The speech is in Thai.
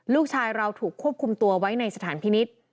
ลูกชายเราถูกควบคุมตัวไว้ในสถานพินิษฐ์